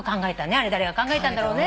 あれ誰が考えたんだろうね。